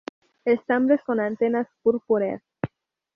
Estambres con antenas purpúreas.